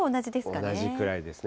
同じくらいですね。